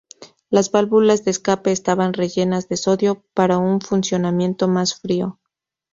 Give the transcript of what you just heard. Las válvulas de escape estaban rellenas de sodio para un funcionamiento más frío.